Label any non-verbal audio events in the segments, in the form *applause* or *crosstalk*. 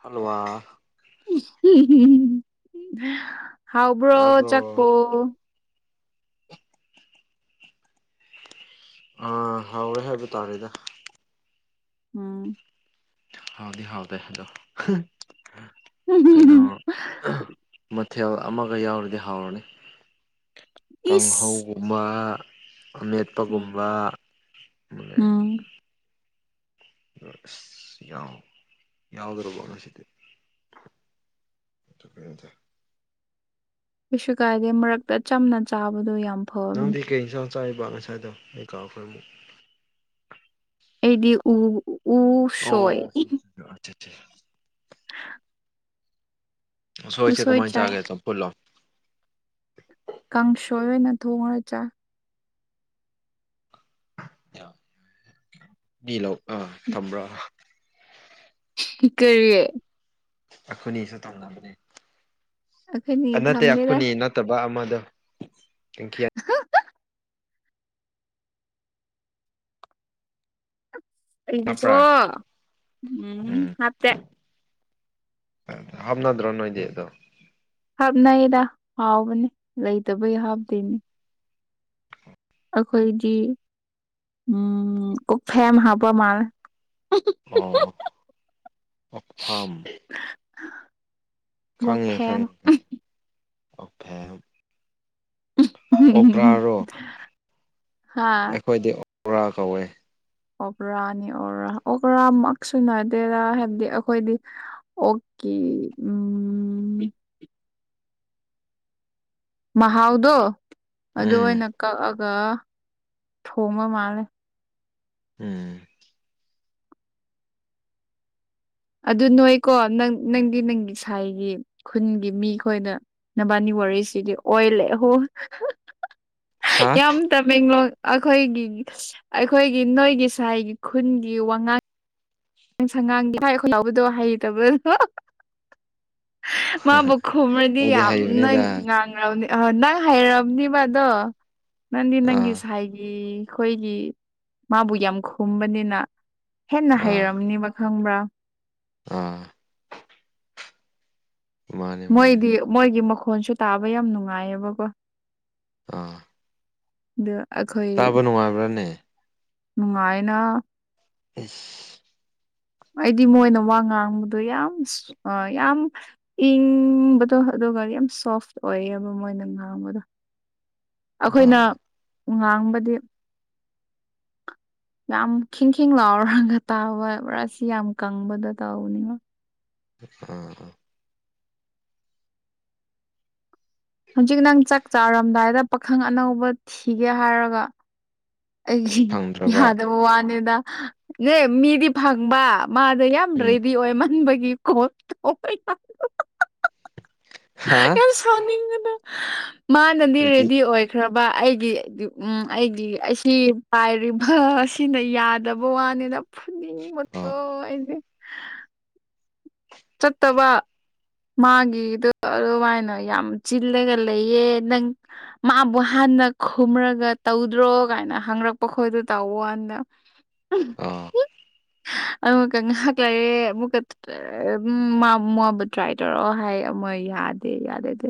hello ꯋꯥ ꯍꯥꯎꯕ꯭ꯔꯣ ꯇꯥꯕ꯭ꯔꯣ ꯆꯥꯛꯄꯣ ꯑꯥ ꯍꯥꯎꯋꯦ ꯍꯥꯏꯕ ꯇꯥꯔꯦꯗ ꯎꯝ ꯍꯥꯎꯗꯤ ꯍꯥꯎꯇꯦ ꯑꯗꯣ ꯀꯩꯅꯣ ꯃꯥ ꯃꯊꯦꯜ ꯑꯃꯒ ꯌꯥꯎꯔꯗꯤ ꯍꯥꯎꯔꯅꯤ ꯀꯥꯡꯍꯧ ꯏꯁ ꯑꯃ ꯑꯃꯦꯠꯄꯒꯨꯝꯕ ꯎꯝ ꯎꯝ ꯑꯁ ꯌꯥꯎ ꯌꯥꯎꯗ꯭ꯔꯕꯣ ꯉꯁꯤꯗꯤ ꯊꯛꯄ ꯌꯥꯗꯦ ꯀꯩꯁꯨ ꯀꯥꯏꯗꯦ ꯃꯔꯛꯇ ꯆꯝꯅ ꯆꯥꯕꯗꯣ ꯌꯥꯝ ꯐꯕꯅꯦ ꯅꯪꯗꯤ ꯀꯩ ꯏꯟꯁꯥꯡ ꯆꯥꯌꯦꯑꯦꯕ ꯉꯁꯥꯏꯗꯣ ꯑꯩ ꯀꯥꯎꯈ꯭ꯔꯦ ꯑꯃꯨꯛ ꯑꯩꯗꯤ ꯎ ꯎ ꯑꯣ *inaudible* ꯎꯁꯣꯏꯁꯦ ꯎꯁꯣꯏ ꯀꯃꯥꯏꯅ ꯆꯥꯏ ꯆꯥꯒꯦ ꯆꯝ ꯐꯨꯠꯂꯣ ꯀꯥꯡꯁꯣꯏ ꯑꯣꯏꯅ ꯊꯣꯡꯉ ꯆꯥꯏ ꯕꯤ ꯂ ꯑꯥ ꯊꯝꯕ꯭ꯔꯣ *unintelligible* ꯀꯔꯤ ꯑꯩꯈꯣꯏꯅꯤꯁꯨ ꯇꯧꯅꯕꯅꯦ ꯑꯩꯈꯣꯏꯅꯤ ꯑ ꯅꯠꯇꯦ ꯊꯝꯗꯦꯗ ꯑꯩꯈꯣꯏꯅꯤ ꯅꯠꯇꯕ ꯑꯃꯗꯣ *unintelligible* ꯑꯩꯕꯨꯒꯣ ꯍꯥꯞꯄ꯭ꯔꯥ ꯎꯝ ꯍꯥꯞꯇꯦ ꯑ ꯍꯞꯅꯗ꯭ꯔꯣ ꯅꯣꯏꯗꯤ ꯑꯗꯣ ꯍꯥꯞꯅꯩꯗ ꯍꯥꯎꯕꯅꯤ ꯂꯩꯇꯕꯩ ꯍꯥꯞꯇ꯭ꯔꯤꯅꯦ ꯑꯩꯈꯣꯏꯗꯤ ꯎꯝ ꯀꯣꯛꯐꯦꯝ ꯍꯥꯞꯄ ꯃꯥꯜꯂꯦ ꯑꯣ ꯑꯣꯛꯐꯥꯝ *inaudible* ꯈꯪꯉꯦ ꯀꯣꯛꯐꯦꯝ ꯈꯪꯉꯦ ꯈꯪꯉꯦ ꯑꯣꯛꯐꯦꯝ ꯑꯣꯀ꯭ꯔꯥꯔꯣ ꯍꯥꯥ ꯑꯩꯈꯣꯏꯗꯤ ꯑꯣꯀ꯭ꯔꯥ ꯀꯧꯋꯦ ꯑꯣꯒ꯭ꯔꯥꯅꯤ ꯑꯣꯔꯥ ꯑꯣꯒ꯭ꯔꯥꯃꯛꯁꯨ ꯅꯠꯗꯦꯗꯥ ꯍꯥꯏꯕꯗꯤ ꯑꯩꯈꯣꯏꯗꯤ ꯑꯣꯛꯀꯤ ꯎꯝ ꯃꯍꯥꯎꯗꯣ ꯑꯗꯨ ꯎꯝ ꯑꯣꯏꯅ ꯀꯛꯑꯒ ꯊꯣꯡꯕ ꯃꯥꯜꯂꯦ ꯎꯝ ꯑꯗꯨ ꯅꯣꯏꯀꯣ ꯅꯪ ꯅꯪꯒꯤ ꯅꯪꯒꯤ ꯁꯥꯏꯒꯤ ꯈꯨꯟꯒꯤ ꯃꯤ ꯈꯣꯏꯗ ꯅꯕꯥꯅꯤ ꯋꯥꯔꯤꯁꯤꯗꯤ ꯑꯣꯏꯂꯦꯍꯣ ꯍꯥ ꯌꯥꯝ ꯇꯃꯦꯡꯂꯣꯡ ꯑꯩꯈꯣꯏꯒꯤ ꯑꯩꯈꯣꯏꯒꯤ ꯅꯣꯏꯒꯤ ꯁꯥꯏꯒꯤ ꯈꯨꯟꯒꯤ ꯋꯥꯉꯥꯡ ꯅꯪ ꯁꯪꯉꯥꯡꯒꯤ *unintelligible* ꯈꯨꯅꯥꯎꯕꯗꯣ ꯍꯩꯇꯕꯣ *unintelligible* ꯃꯥꯕꯨ ꯈꯨꯝꯔꯗꯤ ꯑꯩꯗꯤ ꯌꯥꯝ ꯅꯪ ꯍꯩꯕꯅꯤꯗ ꯉꯥꯡ ꯍꯔꯥꯎꯅꯤ ꯍꯣ ꯅꯪ ꯍꯩꯔꯝꯅꯤꯕ ꯑꯗꯣ ꯅꯪꯗꯤ ꯅꯪꯒꯤ ꯑꯥ ꯁꯥꯏꯒꯤ ꯑꯩꯈꯣꯏꯒꯤ ꯃꯥꯕꯨ ꯌꯥꯝ ꯈꯨꯝꯕꯅꯤꯅ ꯍꯦꯟꯅ ꯑꯥ ꯍꯩꯔꯝꯅꯦꯕ ꯈꯪꯕ꯭ꯔꯥ ꯑꯥ ꯃꯥꯅꯦ ꯃꯥꯅꯦ ꯃꯣꯏꯗꯤ ꯃꯣꯏꯒꯤ ꯃꯈꯣꯟꯁꯨ ꯇꯥꯕ ꯌꯥꯝ ꯅꯨꯡꯉꯥꯏꯌꯦꯕꯀꯣ ꯑꯥ ꯑꯗꯨ ꯑꯩꯈꯣꯏ ꯇꯥꯕ ꯅꯨꯡꯉꯥꯏꯕ꯭ꯔꯥꯅꯦ ꯅꯨꯡꯉꯥꯏꯅ ꯏꯁ ꯑꯩꯗꯤ ꯃꯣꯏꯅ ꯋꯥ ꯉꯥꯡꯕꯗꯣ ꯌꯥꯝ ꯑꯥ ꯌꯥꯝ ꯏꯪꯕꯗꯣ ꯑꯗꯨꯒ ꯌꯥꯝ ꯁꯣꯐ ꯑꯣꯏꯌꯦꯕ ꯃꯣꯏꯅ ꯉꯥꯡꯕꯗꯣ ꯑꯩꯈꯣꯏꯅ ꯑꯥ ꯉꯥꯡꯕꯗꯤ ꯌꯥꯝ ꯈꯤꯡ ꯈꯤꯡ ꯂꯥꯎꯔꯒ ꯇꯥꯕ ꯔꯥꯁꯤ ꯌꯥꯝ ꯀꯪꯕꯗ ꯇꯧꯅꯤ ꯑꯥ ꯍꯧꯖꯤꯛ ꯅꯪ ꯆꯥꯛ ꯆꯥꯔꯝꯗꯥꯏꯗ ꯄꯥꯈꯪ ꯑꯅꯧꯕ ꯊꯤꯒꯦ ꯍꯥꯏꯔꯒ ꯑꯩꯒꯤ ꯐꯪꯗ꯭ꯔꯕ ꯌꯥꯗꯕ ꯋꯥꯅꯦꯗ ꯅꯦ ꯃꯤꯗꯤ ꯐꯪꯕ ꯃꯥꯗꯣ ꯌꯥꯝ ꯎꯝ ꯒꯔꯦꯕꯤ ꯑꯣꯏ ꯃꯟꯕꯒꯤ ꯀꯣꯜ ꯇꯧꯕ ꯌ *unintelligible* ꯍꯥꯥ ꯈꯪꯅꯤꯡꯒꯅꯨ ꯃꯥꯅ ꯑꯗꯨꯗꯤ ꯂ꯭ꯔꯦꯗꯤ ꯑꯣꯏ ꯈ꯭ꯔꯕ ꯑꯩꯒꯤ ꯎꯝ ꯑꯩꯒꯤ ꯑꯁꯤ ꯄꯥꯏꯔꯤꯕꯁꯤꯅ ꯌꯥꯗꯕ ꯋꯥꯅꯦꯗ ꯐꯨꯅꯤꯡꯕ ꯀꯣ ꯑꯥ ꯑꯩꯗꯤ ꯆꯠꯇꯕ ꯃꯥꯒꯤꯗꯣ ꯑꯗꯨꯃꯥꯏꯅ ꯌꯥꯝ ꯆꯤꯜꯂꯒ ꯂꯩꯌꯦ ꯅꯪ ꯃꯥꯕꯨ ꯍꯥꯟꯅ ꯈꯨꯝꯔꯒ ꯇꯧꯗ꯭ꯔꯣ ꯀꯥꯏꯅ ꯍꯪꯪꯔꯛꯄ ꯈꯣꯏꯗꯣ ꯇꯧꯕ ꯋꯥꯅꯦꯗ ꯑꯥ ꯑꯃꯨꯀ ꯉꯥꯏꯍꯥꯛ ꯂꯩꯔꯦ ꯑꯃꯨꯛꯀ ꯎꯝ ꯃꯥ ꯃꯥꯕꯨ ꯇ꯭ꯔꯥꯏ ꯇꯧꯔꯛꯑꯣ ꯍꯥꯏꯌꯦ ꯃꯣꯏ ꯌꯥꯗꯦ ꯌꯥꯗꯦꯗꯤ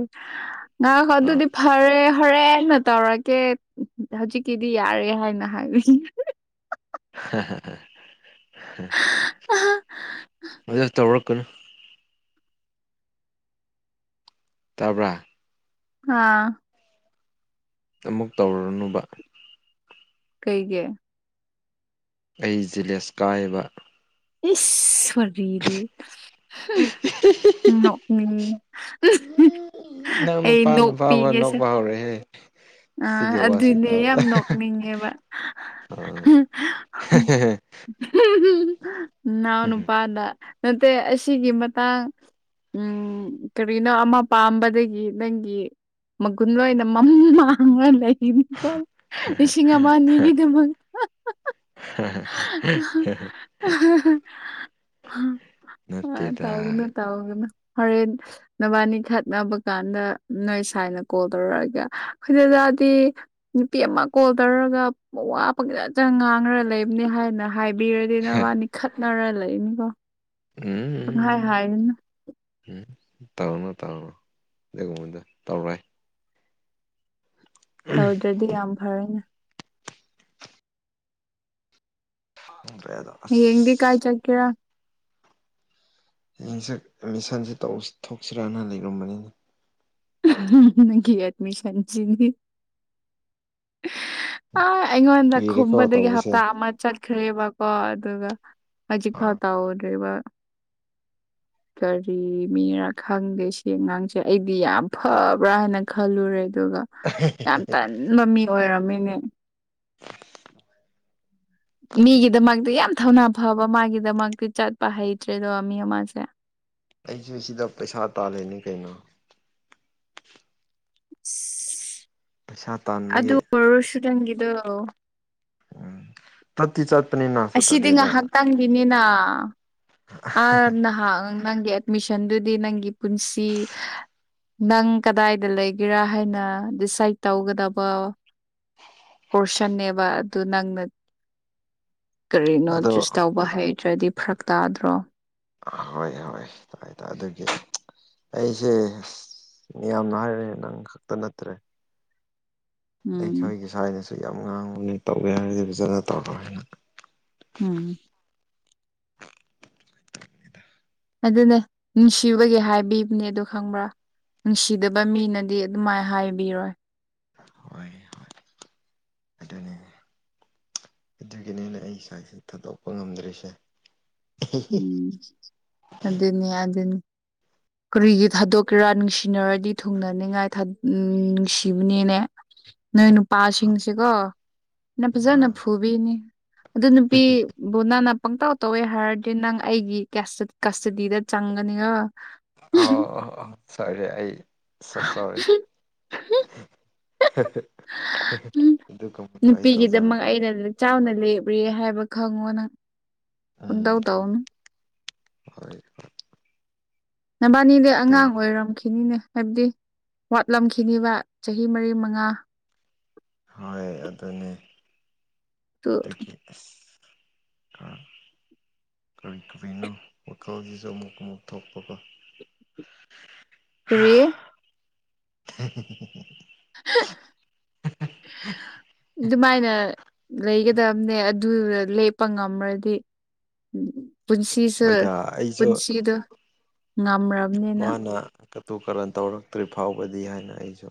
ꯉꯥꯢꯈꯣ ꯑꯥ ꯑꯗꯨꯗꯤ ꯐꯔꯦ ꯍꯣꯔꯦꯟꯅ ꯇꯧꯔꯛꯀꯦ ꯍꯧꯖꯤꯛꯀꯤꯗꯤ ꯌꯥꯔꯦ ꯍꯥꯏꯅ ꯍꯥꯏꯕꯤ *unintelligible* ꯑꯗꯨ ꯇꯧꯔꯛꯀꯅꯨ ꯇꯥꯕ꯭ꯔꯥ ꯑꯥ ꯑꯃꯨꯛ ꯇꯧꯔꯨꯔꯅꯨꯕ ꯀꯩꯒꯤ ꯑꯩ ꯖꯦꯂꯦꯁ ꯀꯥꯏꯕ ꯏꯁ ꯋꯥꯔꯤꯗꯤ ꯍꯨꯝ ꯅꯣꯛꯅꯤꯡꯉꯤ ꯅꯪ ꯑꯩ ꯅꯨꯄꯥꯅ ꯅꯣꯛꯄꯤ ꯐꯥꯎꯕ ꯅꯣꯛꯄ ꯍꯧꯔꯦꯍꯦ ꯑ ꯁꯤꯒꯤ ꯋꯥꯁꯦ ꯑꯗꯨꯅꯦ ꯇꯥꯕꯗ ꯌꯥꯝ ꯅꯣꯛꯅꯤꯡꯉꯦꯕ ꯑꯥ ꯅꯅꯥꯎ ꯅꯨꯄꯥꯅ ꯅꯠꯇꯦ ꯑꯁꯤꯒꯤ ꯃꯇꯥꯡ ꯎꯝ ꯀꯔꯤꯅꯣ ꯑꯃ ꯄꯥꯝꯕꯗꯒꯤ ꯅꯪꯒꯤ ꯃꯒꯨꯟ ꯂꯣꯏꯅ ꯃꯝ ꯃꯥꯡꯂꯒ ꯂꯩꯅꯤ ꯒꯣ ꯂꯤꯁꯤꯡ ꯑꯃ ꯑꯅꯤꯒꯤꯗꯃꯛ *unintelligible* ꯅꯠꯇꯦꯗ ꯇꯥꯎꯒꯅꯨ ꯇꯥꯎꯒꯅꯨ ꯍꯣꯔꯦꯟ ꯅꯕꯥꯅꯤ ꯈꯠꯅꯕ ꯀꯥꯟꯗ ꯅꯣꯏ ꯁꯥꯏꯅ ꯀꯣꯜ ꯇꯧꯔꯛꯑꯒ ꯈꯣꯏ ꯗꯗꯥꯗꯤ ꯅꯨꯄꯤ ꯑꯃ ꯀꯣꯜ ꯇꯧꯔꯒ ꯋꯥ ꯄꯪꯆꯠ ꯆꯠ ꯉꯥꯡꯔ ꯂꯩꯕꯅꯦ ꯍꯥꯏꯅ ꯍꯥꯏꯕꯤꯔꯗꯤ ꯅꯕꯥꯅꯤ ꯈꯠꯅꯔ ꯂꯩꯅꯤꯀꯣ ꯄꯪꯍꯥꯏ ꯎꯝ ꯍꯥꯏꯔꯅꯨ ꯎꯝ ꯇꯧꯅꯨ ꯇꯧꯅꯨ ꯑꯗꯨꯒꯨꯝꯕꯗꯣ ꯇꯧꯔꯣꯏ ꯇꯧꯗ꯭ꯔꯗꯤ ꯌꯥꯝ ꯐꯔꯦ *unintelligible* ꯍꯌꯦꯡꯗꯤ ꯀꯥꯏ ꯆꯠꯀꯦꯔꯥ ꯍꯌꯦꯡꯁꯦ ꯑꯦꯠꯃꯤꯁꯟꯁꯦ ꯇꯧ ꯊꯣꯛꯁꯤꯔꯅ ꯂꯩꯔꯝꯕꯅꯦ ꯅꯪꯒꯤ ꯑꯦꯗꯃꯤꯁꯟꯁꯤꯗꯤ ꯑꯥ ꯑꯩꯉꯣꯟꯗ ꯀꯨꯏꯔꯦꯀꯣ ꯈꯨꯝꯕꯗꯒꯤ ꯇꯧꯕꯁꯦ ꯍꯞꯇꯥ ꯑꯃ ꯆꯠꯈ꯭ꯔꯦꯕꯀꯣ ꯑꯗꯨꯒ ꯍꯧꯖꯤꯛ ꯐꯥꯎ ꯑꯥ ꯇꯧꯗ꯭ꯔꯤꯕ ꯀꯔꯤ ꯃꯤꯔꯥ ꯈꯪꯗꯦ ꯁꯤ ꯑꯉꯥꯡꯁꯦ ꯑꯩꯗꯤ ꯌꯥꯝ ꯑꯩ ꯐꯕ ꯄꯨꯔꯥꯅ ꯈꯜꯂꯨꯔꯦ ꯑꯗꯨꯒ ꯌꯥꯝ ꯇꯟꯕ ꯃꯤ ꯑꯣꯏꯔꯝꯃꯤꯅꯦ ꯃꯤꯒꯤꯗꯃꯛꯇꯤ ꯌꯥꯝ ꯊꯧꯅꯥ ꯐꯕ ꯃꯥꯒꯤꯗꯃꯛꯇꯤ ꯆꯠꯄ ꯍꯩꯇ꯭ꯔꯦꯗꯣ ꯃꯤ ꯑꯃꯁꯦ ꯑꯩꯁꯨ ꯁꯤꯗ ꯄꯩꯁꯥ ꯇꯥꯜꯂꯤꯅꯤ ꯀꯩꯅꯣ ꯄꯩꯁꯥ ꯑꯗꯨ ꯇꯥꯟꯕꯒꯤ ꯑꯣꯢꯔꯁꯨ ꯅꯪꯒꯤꯗꯣ ꯎꯝ ꯆꯠꯇꯤ ꯆꯠꯄꯅꯦꯅ ꯑꯁꯤꯗꯤ ꯁꯇ꯭ꯔꯗꯦ ꯗ *unintelligible* ꯑ ꯅꯍꯥꯛ ꯅꯪꯒꯤ ꯑꯦꯗꯃꯤꯁꯟꯗꯨꯗꯤ ꯅꯪꯒꯤ ꯄꯨꯟꯁꯤ ꯅꯪ ꯀꯗꯥꯏꯗ ꯂꯩꯒꯦꯔꯥ ꯍꯥꯏꯅ ꯗꯤꯁꯥꯏꯠ ꯇꯧꯒꯗꯕ ꯄꯣꯔꯁꯟꯅꯦꯕ ꯑꯗꯨ ꯅꯪꯅ ꯀꯔꯤꯅꯣ ꯑꯗꯣ ꯆꯨꯁ ꯇꯧꯕ ꯍꯩꯇ꯭ꯔꯗꯤ ꯐꯔꯛ ꯇꯥꯗ꯭ꯔꯣ ꯍꯣꯏ ꯍꯣꯏ ꯇꯥꯏ ꯇꯥꯏ ꯑꯗꯨꯒꯤ ꯑꯩꯁꯦ ꯃꯤꯌꯥꯝꯅ ꯍꯥꯏꯔꯦ ꯅꯪ ꯈꯛꯇ ꯅꯠꯇ꯭ꯔꯦ ꯎꯝ ꯑꯩꯈꯣꯢꯒꯤ ꯁꯥꯢꯅꯁꯨ ꯌꯥꯝ ꯉꯥꯡꯕꯅꯤ ꯇꯧꯒꯦ ꯍꯥꯢꯔꯗꯤ ꯐꯖꯅ ꯇꯧꯔꯣ ꯍꯥꯏꯅ ꯎꯝ ꯑꯗꯨꯅꯦ ꯅꯨꯡꯁꯤꯕꯒꯤ ꯍꯥꯏꯕꯤꯕꯅꯦ ꯑꯗꯣ ꯈꯪꯕ꯭ꯔꯥ ꯅꯨꯡꯁꯤꯗꯕ ꯃꯤꯅꯗꯤ ꯑꯗꯨꯃꯥꯏ ꯍꯥꯏꯕꯤꯔꯣꯏ ꯍꯣꯏ ꯍꯣꯢ ꯑꯗꯨꯅꯦ ꯑꯗꯨꯒꯤꯅꯤꯅꯦ ꯑꯩ ꯁꯥꯏꯁꯦ ꯊꯥꯗꯣꯛꯄ ꯉꯝꯗ꯭ꯔꯤꯁꯦ ꯎꯝ ꯑꯗꯨꯅꯦ ꯑꯗꯨꯅꯦ ꯀꯔꯤꯒꯤ ꯊꯥꯗꯣꯛ ꯈꯔ ꯅꯨꯡꯁꯤꯅꯔꯗꯤ ꯊꯨꯡꯅꯅꯤꯡꯉꯥꯏ ꯊꯥ ꯑꯝ ꯅꯨꯡꯁꯤꯕꯅꯤꯅꯦ ꯅꯣꯏ ꯅꯨꯄꯥꯁꯤꯡꯁꯤꯀꯣ ꯐꯅ ꯐꯖꯅ ꯑꯥ ꯐꯨꯕꯤꯅꯤ ꯑꯗꯨ ꯅꯨꯄꯤꯕꯨ ꯅꯪꯅ ꯄꯪꯇꯧ ꯇꯧꯋꯦ ꯍꯥꯏꯔ ꯑꯗꯨ ꯅꯪ ꯑꯩꯒꯤ ꯀꯁꯇꯗꯤꯗ ꯆꯪꯒꯅꯤꯒꯣ ꯑꯣꯑꯣ ꯁꯣꯔꯤ ꯑꯩ ꯁꯣ ꯁꯣꯔꯤ ꯑꯗꯨ ꯀꯨꯝꯕꯗꯣ ꯑꯩ ꯅꯨꯄꯤꯒꯤꯗꯃꯛ ꯇꯧꯖꯔꯔꯣꯏ ꯑꯩꯅ ꯆꯥꯎꯅ ꯂꯦꯞꯔꯤꯌꯦ ꯍꯥꯏꯕ ꯈꯪꯉꯣꯅꯪ ꯑꯝ ꯍꯣꯏ ꯅꯕꯥꯅꯤꯗꯤ ꯑꯗꯨꯝ ꯑꯉꯥꯡ ꯑꯣꯏꯔꯝꯈꯤꯅꯤꯅꯦ ꯍꯥꯏꯕꯗꯤ ꯋꯥꯠꯂꯝꯈꯤꯅꯤꯕ ꯆꯍꯤ ꯃꯔꯤ ꯃꯉꯥ ꯍꯣꯏ ꯑꯗꯨꯅꯦ ꯇꯨ ꯑꯗꯨꯒꯤ ꯑꯁ ꯑꯥ ꯀꯔꯤ ꯀꯔꯤꯅꯣ ꯐꯣꯇꯣꯁꯤꯁꯨ ꯑꯃꯨꯛ ꯑꯃꯨꯛ ꯊꯣꯛꯄ ꯀꯣ ꯀꯔꯤ *unintelligible* *unintelligible* ꯑꯗꯨꯃꯥꯏꯅ ꯂꯩꯒꯗꯕꯅꯦ ꯑꯗꯨ ꯂꯦꯞꯄ ꯉꯝꯔꯗꯤ ꯄꯨꯟꯁꯤꯁꯦ ꯍꯣꯏꯗ ꯑꯩꯁꯨ ꯄꯨꯟꯁꯤꯗꯣ ꯉꯝꯔꯛ ꯃꯥꯅ ꯀꯇꯨ ꯀꯔꯟ ꯇꯧꯔꯛꯇ꯭ꯔꯤ ꯐꯥꯎꯕꯗꯤ ꯍꯥꯏꯅ ꯑꯩꯁꯨ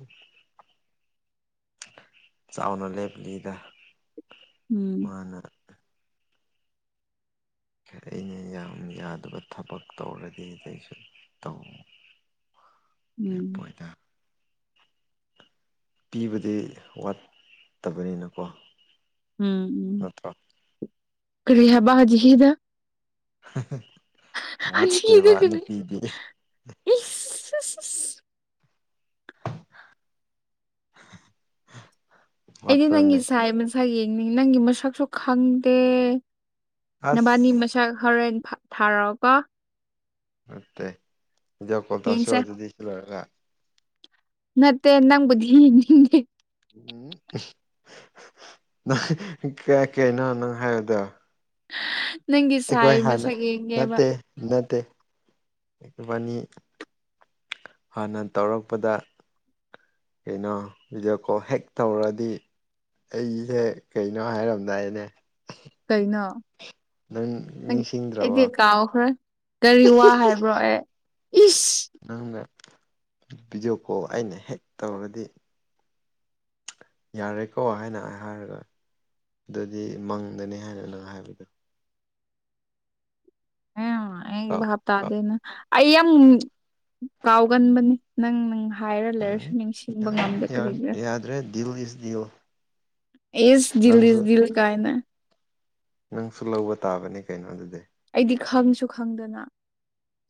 ꯆꯥꯎꯅ ꯂꯦꯞꯂꯤꯗ ꯎꯝ ꯃꯥꯅ ꯑꯩꯅ ꯌꯥꯝ ꯌꯥꯗꯕ ꯊꯕꯛ ꯇꯧꯔꯗꯤ ꯑꯩꯁꯨ ꯇꯧ ꯎꯝ ꯂꯦꯞꯄꯣꯏꯗ ꯄꯤꯕꯗꯤ ꯋꯥꯠꯇꯕꯅꯤꯅꯀꯣ ꯎꯝ ꯅꯠꯇ꯭ꯔꯣ ꯀꯔꯤ ꯍꯥꯢꯕꯥ ꯍꯧꯖꯤꯛꯀꯤꯗꯣ ꯍꯧꯖꯤꯛꯀꯤꯗꯣ ꯋꯥꯠꯇꯦꯕ ꯀꯔꯤ ꯅꯨꯄꯤꯗꯤ ꯏꯁ ꯑꯩꯗꯤ ꯅꯪꯒꯤ ꯋꯥꯠꯄ꯭ꯔꯅꯦ ꯁꯥꯏ ꯃꯁꯛ ꯌꯦꯡꯅꯤꯡꯉꯤ ꯅꯪꯒꯤ ꯃꯁꯛꯁꯨ ꯈꯪꯗꯦ ꯅꯕꯥꯅꯤ ꯑꯁ ꯃꯁꯛ ꯍꯣꯔꯦꯟ ꯊꯥꯔꯛꯑꯣꯀꯣ ꯅꯠꯇꯦ ꯕꯤꯗꯤꯑꯣ ꯀꯣꯜ ꯇꯥꯁꯤꯔꯣ ꯌꯦꯡꯁꯦ ꯑꯗꯨꯗꯤ ꯁꯤ ꯂꯣꯏꯔꯒ ꯅꯠꯇꯦ ꯅꯪꯕꯨ ꯊꯤ ꯊꯤꯅꯤꯡꯉꯦ ꯎꯝ ꯅꯪ ꯀꯩ ꯀꯩꯅꯣ ꯅꯪ ꯍꯥꯏꯕꯗꯣ ꯅꯪꯒꯤ ꯑꯩꯈꯣꯏ ꯁꯥꯏ ꯍꯥꯟꯅ ꯃꯁꯛ ꯌꯦꯡꯒꯦꯕ ꯅꯠꯇꯦ ꯅꯠꯇꯦ ꯏꯕꯥꯅꯤ ꯍꯥꯟꯅ ꯇꯧꯔꯛꯄꯗ ꯀꯩꯅꯣ ꯚꯤꯗꯤꯑꯣ ꯀꯣꯜ ꯍꯦꯛ ꯇꯧꯔꯗꯤ ꯑꯩꯁꯦ ꯀꯩꯅꯣ ꯍꯥꯏꯔꯝꯗꯥꯏꯅꯦ ꯀꯩꯅꯣ ꯅꯪ ꯅꯤꯡꯁꯤꯡꯗ꯭ꯔꯕꯣ ꯑꯩꯗꯤ ꯀꯥꯎꯈ꯭ꯔꯦ ꯀꯔꯤ ꯋꯥ ꯍꯥꯏꯕ꯭ꯔꯣ ꯑꯩ ꯅꯪꯅ ꯚꯤꯗꯤꯑꯣ ꯀꯣꯜ ꯑꯩꯅ ꯍꯦꯛ ꯇꯧꯔꯗꯤ ꯌꯥꯔꯦꯀꯣ ꯍꯥꯏꯅ ꯍꯥꯏꯔꯒ ꯑꯗꯨꯗꯤ ꯃꯪꯗꯅꯤ ꯍꯥꯏꯅ ꯅꯪ ꯍꯥꯏꯕꯗꯣ ꯑꯦ ꯑꯩ ꯀꯥꯎ ꯚꯥꯞ ꯀꯥꯎ ꯇꯥꯗꯦꯅꯦ ꯑꯩ ꯌꯥꯝ ꯀꯥꯎꯒꯟꯕꯅꯦ ꯅꯪ ꯅꯪ ꯍꯥꯏꯔ ꯂꯩꯔꯁꯨ ꯅꯤꯡꯁꯤꯡꯕ ꯉꯝꯗꯦ ꯀꯔꯤꯒꯤꯔ ꯑꯗꯨꯦ ꯜ ꯏ ꯜ *unintelligible* ꯑꯦꯁ ꯗꯤꯜ ꯗꯤꯜ ꯀꯥꯏꯅ ꯅꯪꯁꯨ ꯂꯧꯕ ꯇꯥꯕꯅꯤ ꯀꯩꯅꯣ ꯑꯗꯨꯗꯤ ꯑꯩꯗꯤ ꯈꯪꯁꯨ ꯈꯪꯗꯅ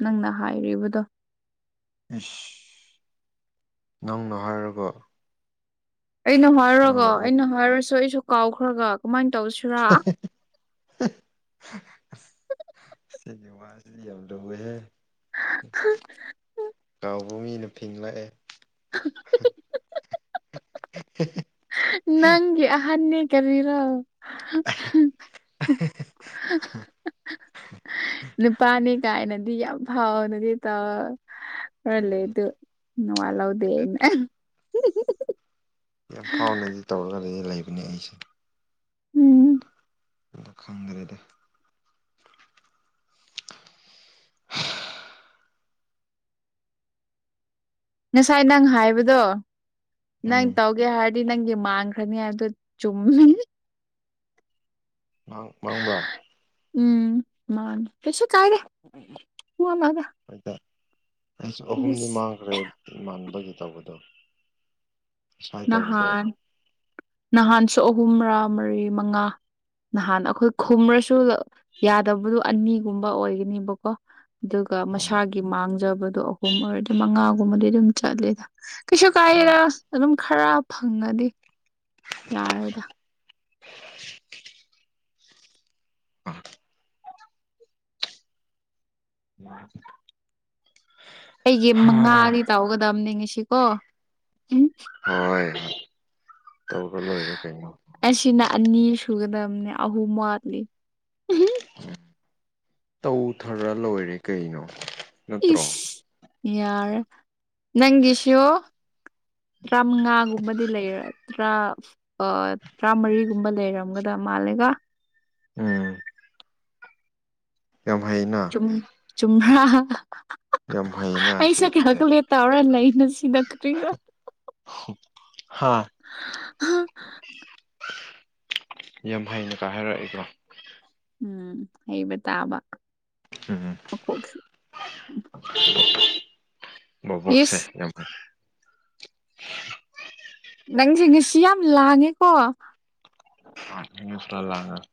ꯅꯪꯅ ꯍꯥꯏꯔꯤꯕꯗꯣ ꯏꯁ ꯅꯪꯅ ꯍꯥꯏꯔꯒ ꯑꯩꯅ ꯍꯥꯏꯔꯒ ꯅꯪꯅ ꯑꯃꯨꯛ ꯑꯩꯅ ꯍꯥꯏꯔꯁꯨ ꯑꯩꯁꯨ ꯀꯥꯎꯈ꯭ꯔꯒ ꯀꯃꯥꯏꯅ ꯇꯧꯁꯤ *unintelligible* ꯏꯆꯟꯒꯤ ꯋꯥꯁꯤꯗꯤ ꯌꯥꯝꯅ ꯂꯨꯌꯦꯍꯦ *unintelligible* ꯀꯥꯎꯕ ꯃꯤꯅ ꯐꯤꯡꯂꯛꯑꯦ *unintelligible* ꯅꯪꯒꯤ ꯑꯍꯟꯅꯤ ꯀꯔꯤꯔꯣ ꯅꯨꯄꯥꯅꯤ ꯀꯥꯏꯅꯗꯤ ꯌꯥꯝ ꯐꯥꯎꯕꯅꯤ ꯇꯧ ꯈꯔꯂꯩ ꯎꯝ ꯑꯗꯨ ꯅꯧꯋꯥ ꯂꯧꯗꯦ ꯑꯩꯅ ꯇꯧꯔꯒ ꯂꯩꯗꯤ ꯂꯩꯕꯅꯦ ꯑꯩꯁꯨ ꯎꯝ ꯈꯪꯗ꯭ꯔꯦꯗ ꯉꯁꯥꯏ ꯅꯪ ꯍꯥꯏꯕꯗꯣ ꯅꯪ ꯎꯝ ꯇꯧꯒꯦ ꯍꯥꯏꯔ ꯗꯤ ꯅꯪꯗꯤ ꯃꯥꯥꯡꯈꯔꯅꯤ ꯍꯥꯏꯕꯗꯨ ꯆꯨꯝꯃꯤ ꯃꯥꯡ ꯃꯥꯡꯕ꯭ꯔꯥ ꯎꯝ ꯃꯥꯅꯤ ꯀꯩꯁꯨ ꯀꯥꯏꯗꯦ *unintelligible* ꯑꯗꯥ ꯑꯩꯁꯨ ꯑꯍꯨꯝꯗꯤ ꯂꯤꯁ ꯃꯥꯡꯈ꯭ꯔꯦ ꯏꯃꯥꯟꯅꯕꯒꯤ ꯇꯧꯕꯗꯣ ꯉꯁꯥꯏ ꯇꯧꯕꯗꯣ ꯅꯍꯥꯟ ꯅꯍꯥꯟꯁꯨ ꯑꯍꯨꯝꯔ ꯃꯔꯤ ꯃꯉꯥ ꯅꯍꯥꯟ ꯑꯩꯈꯣꯏ ꯈꯨꯝꯔꯁꯨ ꯌꯥꯗꯕꯗꯣ ꯑꯅꯤꯒꯨꯝꯕ ꯑꯣꯏꯒꯅꯤꯕꯀꯣ ꯑꯗꯨꯒ ꯑꯥ ꯃꯁꯥꯒꯤ ꯃꯥꯡꯖꯕꯗꯣ ꯑꯍꯨꯝ ꯑꯣꯏꯔꯗꯤ ꯃꯉꯥꯒꯨꯝꯕꯗꯤ ꯑꯗꯨꯝ ꯆꯠꯂꯦꯗ ꯀꯩꯁꯨ ꯑꯥ ꯀꯥꯏꯗꯦꯗ ꯑꯗꯨꯝ ꯈꯔ ꯐꯪꯉꯅꯤ ꯌꯥꯔꯦꯗ *inaudible* ꯑꯥ *inaudible* ꯎꯝ *inaudible* ꯑꯩꯒꯤ ꯃꯉꯥꯗꯤ ꯇꯧꯒꯗꯝꯅꯤ ꯉꯁꯤꯀꯣ ꯍꯣꯏ ꯇꯧꯔꯒ ꯂꯣꯏꯔꯦ ꯀꯩꯅꯣ ꯑꯁꯤꯅ ꯑꯅꯤ ꯁꯨꯒꯗꯕꯅꯦ ꯑꯍꯨꯝ ꯋꯥꯠꯂꯤ ꯇꯧꯊꯔ ꯂꯣꯏꯔꯦ ꯀꯩꯅꯣ ꯅꯠꯇ꯭ꯔꯣ ꯏꯁ ꯌꯥꯔꯦ ꯅꯪꯒꯤꯁꯨ ꯇ꯭ꯔꯥꯃꯉꯥꯒꯨꯝꯕꯗꯤ ꯂꯩꯔ ꯇ꯭ꯔꯥ ꯑ ꯇ꯭ꯅꯔꯥꯃꯔꯤꯒꯨꯝꯕ ꯂꯩꯔꯝꯒꯗ ꯃꯥꯜꯂꯦꯀꯣ ꯎꯝ ꯌꯥꯝ ꯍꯩꯅ ꯎꯝ ꯆꯨꯝꯕ꯭ꯔꯥ ꯌꯥꯝ ꯍꯩꯅ *unintelligible* ꯁꯤ ꯑꯩꯁꯥꯛ ꯅꯨꯄꯤꯁꯦ *unintelligible* ꯇꯧꯔꯥ ꯂꯩꯅꯨ ꯁꯤꯗ ꯀꯔꯤꯔ ꯍꯥꯥ ꯌꯥꯝ ꯍꯩꯅꯀ ꯍꯥꯏꯔꯛꯏꯀꯣ ꯎꯝ ꯍꯩꯕ ꯇꯥꯕ ꯃꯀꯣꯛ ꯎꯝ ꯕꯣꯕꯣꯛꯁꯦ ꯏꯁ ꯌꯥꯝ *unintelligible* ꯅꯪꯁꯦ ꯉꯁꯤ ꯌꯥꯝ ꯂꯥꯡꯉꯦꯀꯣ *unintelligible*